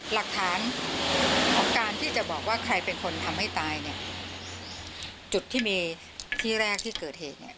หลักฐานของการที่จะบอกว่าใครเป็นคนทำให้ตายเนี่ยจุดที่มีที่แรกที่เกิดเหตุเนี่ย